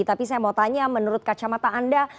tapi saya mau tanya menurut kacamata anda